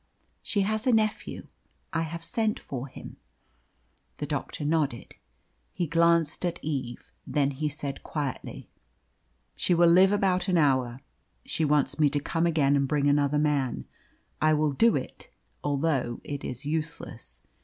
"She has a nephew. I have sent for him." The doctor nodded. He glanced at Eve, then he said quietly "She will live about an hour. She wants me to come again and bring another man. I will do it, although it is useless.